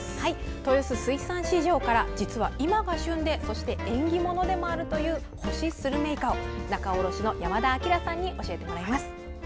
豊洲水産市場から実は今が旬でそして縁起物でもあるという干しスルメイカを仲卸の山田晃さんに教えてもらいます。